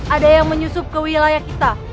ada yang menyusup ke wilayah kita